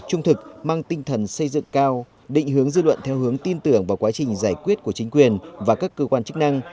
trung thực mang tinh thần xây dựng cao định hướng dư luận theo hướng tin tưởng vào quá trình giải quyết của chính quyền và các cơ quan chức năng